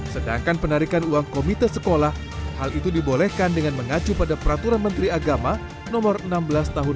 sedangkan penarikan uang komite sekolah hal itu dibolehkan dengan mengacu pada peraturan menteri agama nomor enam belas tahun dua ribu dua puluh